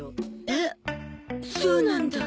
えっそうなんだ。